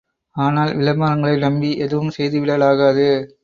ஆனால் விளம்பரங்களை நம்பி எதுவும் செய்துவிட லாகாது.